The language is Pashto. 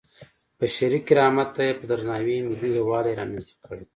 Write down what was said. بشري کرامت ته یې په درناوي ملي یووالی رامنځته کړی.